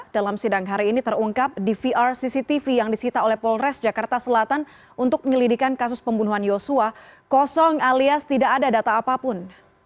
dalam sidang hari ini terungkap dvr cctv yang disita oleh polres jakarta selatan untuk penyelidikan kasus pembunuhan yosua kosong alias tidak ada data apapun